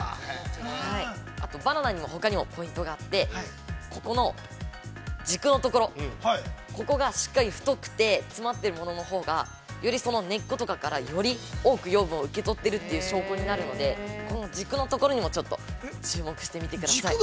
◆あと、バナナには、ほかにもポイントがあって、この軸のところ、ここがしっかり太くて、詰まっているもののほうがより根っことかからより多く養分を受け取っている証拠になるのでこの軸のところにもちょっと注目してみてください。